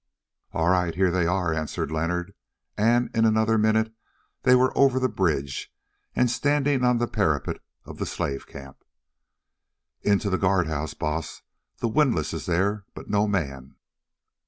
"All right, here they are," answered Leonard, and in another minute they were over the bridge and standing on the parapet of the slave camp. "Into the guard house, Baas; the windlass is there, but no man."